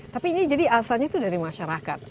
tapi ini jadi asalnya itu dari masyarakat